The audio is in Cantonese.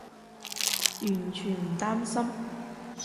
完全唔擔心